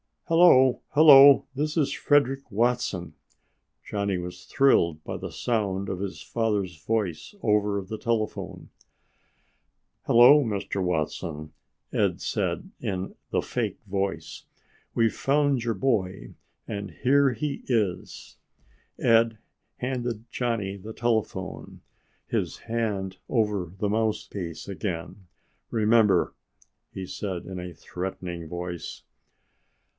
"Hello. Hello. This is Frederick Watson." Johnny was thrilled by the sound of his father's voice over the telephone. "Hello, Mr. Watson," Ed said in the fake voice. "We've found your boy and here he is." Ed handed Johnny the telephone, his hand over the mouthpiece again. "Remember!" he said in a threatening voice.